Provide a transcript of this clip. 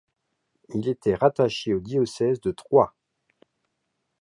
Il était rattaché au diocèse de Troyes.